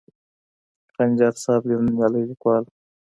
خنجر صاحب یو نومیالی لیکوال و.